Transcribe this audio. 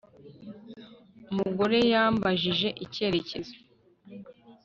Umugore yambajije icyerekezo